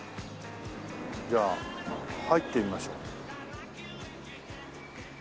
じゃあ入ってみましょう。